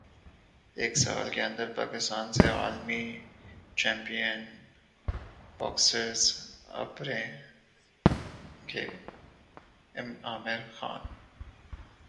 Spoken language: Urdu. ایک سال کے اندر پاکستان سے عالمی چیمپئن باکسرز ابھریں گے عامر خان